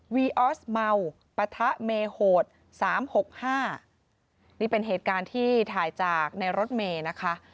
ออสเมาปะทะเมโหดสามหกห้านี่เป็นเหตุการณ์ที่ถ่ายจากในรถเมย์นะคะ